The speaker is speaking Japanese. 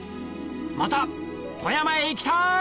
また富山へ行きたい！